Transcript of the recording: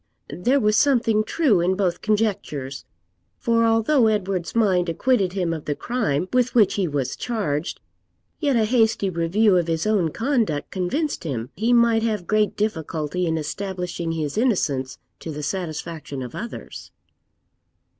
There was something true in both conjectures; for although Edward's mind acquitted him of the crime with which he was charged, yet a hasty review of his own conduct convinced him he might have great difficulty in establishing his innocence to the satisfaction of others.